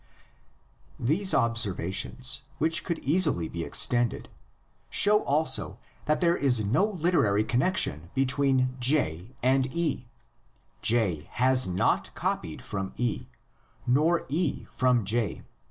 These observations, which could easily be extended, show also that there is no literary con nexion between J and E; J has not copied from E, nor E from J.